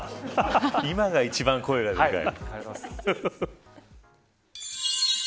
今が一番声がでかい。